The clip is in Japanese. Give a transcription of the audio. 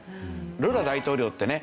ルラ大統領ってね